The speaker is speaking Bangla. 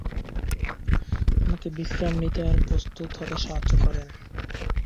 আমাকে বিশ্রাম নিতে আর প্রস্তুত হতে সাহায্য করেন।